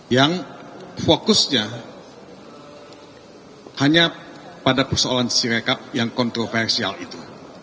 yang fokusnya hanya pada persoalan sirekap yang kontroversial itu